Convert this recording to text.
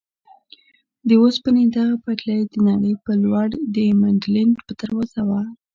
د اوسپنې دغه پټلۍ د نړۍ په لور د منډلینډ دروازه وه.